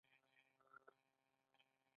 زه ستا ورور یم.